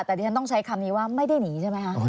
แต่ที่ฉันต้องใช้คำนี้ว่าไม่ได้หนีใช่ไหมคะ